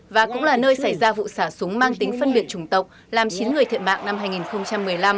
và cũng là nơi xảy ra vụ xả súng mang tính phân biệt chủng tộc làm chín người thiệt mạng năm hai nghìn một mươi năm